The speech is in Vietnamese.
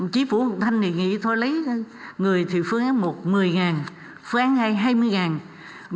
chí phủ học thanh thì nghĩ thôi lấy người thì phương án một một mươi phương án hai hai mươi